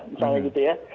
misalnya gitu ya